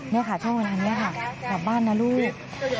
นี่ค่ะช่วงเวลานี้ค่ะกลับบ้านนะลูก